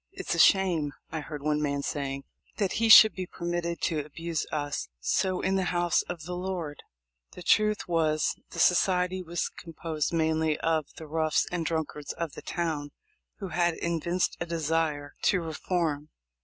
"It's a shame," I heard one man say, "that he should be permitted to abuse us so in the house of the Lord." The truth was the society was composed mainly of the roughs and drunkards of the town, who had evinced a desire 262 THE L1FE 0F LINCOLN. to reform.